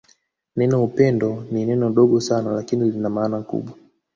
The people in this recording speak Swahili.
Neno upendo ni neno dogo sana lakini lina maana kubwa